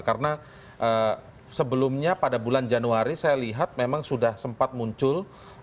karena sebelumnya pada bulan januari saya lihat memang sudah sempat muncul